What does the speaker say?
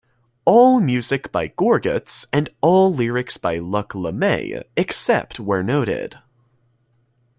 All music by Gorguts and all lyrics by Luc Lemay, except where noted.